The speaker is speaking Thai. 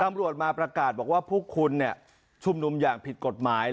ตำรวจมาประกาศว่าพวกคุณเนี้ยก็ชุมนุมกันอย่างผิดกฎหมายเนี้ย